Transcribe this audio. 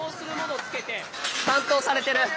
担当されてる。